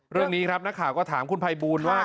เรื่องนี้นะค่ะก็ถามคุณไพบูนว่า